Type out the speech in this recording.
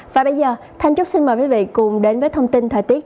và bây giờ thanh trúc xin mời quý vị cùng đến với thông tin thời tiết